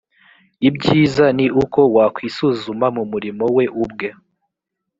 ibyiza ni uko yakwisuzuma mu murimo we ubwe